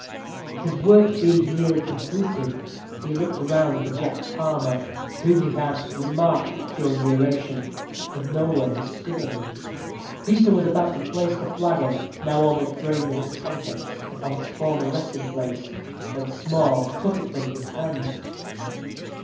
His work being nearly completed, he looked around for Jack Palmer, whom he had remarked during the oration, but could nowhere discover him. Peter was about to place the flagon, now almost drained of its contents, upon its former resting place, when Small took it from his hands.